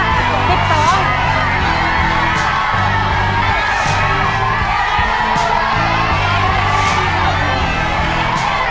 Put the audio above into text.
สี่ลูกแล้วเวฟสิบสอง